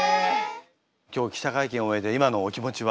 今日記者会見を終えて今のお気持ちは？